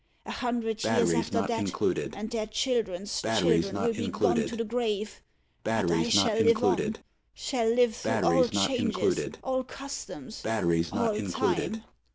A hundred years after that, and their children's children will be gone to the grave. But I shall live on shall live through all changes all customs all time.